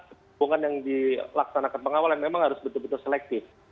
hubungan yang dilaksanakan pengawal yang memang harus betul betul selektif